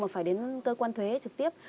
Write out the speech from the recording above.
mà phải đến cơ quan thuế trực tiếp